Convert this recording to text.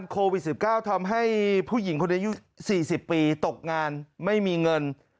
โควิด๑๙ทำให้ผู้หญิงคนอายุ๔๐ปีตกงานไม่มีเงิน